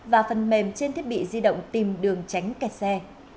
và phần mềm trên thiết bị di động tìm đường tránh kẹt xe